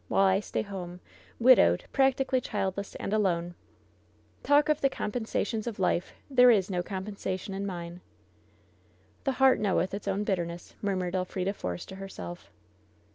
While I stay home, widowed, practically childless and alone ! Talk of the compensations of life ! There is no compensation in mine.'^ " ^The heart knoweth its own bitterness !*'' murmured Elfrida Force to herself.